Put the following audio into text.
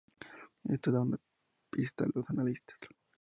Esto da una pista a los analistas.